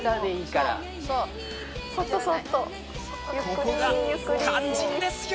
ここが肝心ですよ。